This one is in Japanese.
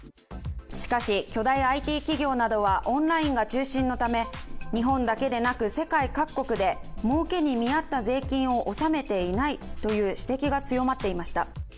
しかし、巨大ＩＴ企業などはオンラインが中心のため日本だけでなく世界各国でもうけに見合った税金を納めていないという指摘が強まっていました。